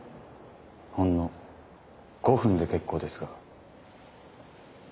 ほんの５分で結構ですが。